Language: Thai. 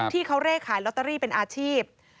ที่เขาเร่ขายลอตเตอรี่เป็นอาชีพ